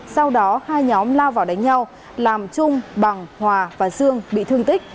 sau đó hai nhóm lao vào đánh nhau làm trung bằng hòa và dương bị thương tích